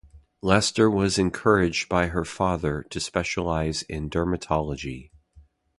Lester was encouraged by her father to specialise in dermatology.